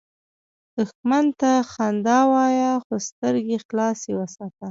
دښمن ته خندا وایه، خو سترګې خلاصه وساته